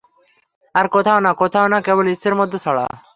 আর কোথাও না, কোথাও না, কেবল ইচ্ছের মধ্যে ছাড়া।